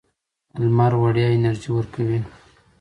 لمر وړیا انرژي ورکوي.